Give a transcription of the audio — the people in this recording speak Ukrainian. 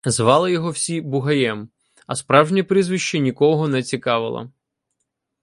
Звали його всі Бугаєм, а справжнє прізвище нікого не цікавило.